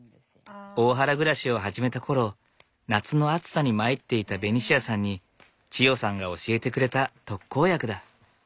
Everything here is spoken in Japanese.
大原暮らしを始めた頃夏の暑さに参っていたベニシアさんに千代さんが教えてくれた特効薬だ。